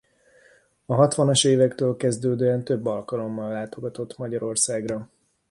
A hatvanas évektől kezdődően több alkalommal látogatott Magyarországra.